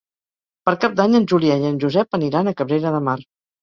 Per Cap d'Any en Julià i en Josep aniran a Cabrera de Mar.